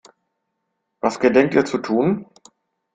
Was gedenkt ihr zu tun?